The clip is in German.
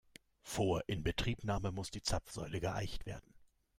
Vor Inbetriebnahme muss die Zapfsäule geeicht werden.